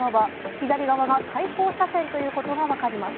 左側が対向車線ということがわかります。